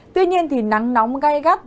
tuy nhiên thì nắng nóng gai gắt